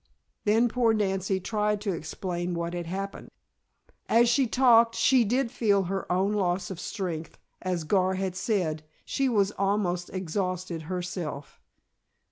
Then poor Nancy tried to explain what had happened. As she talked she did feel her own loss of strength, as Gar had said, she was almost exhausted herself.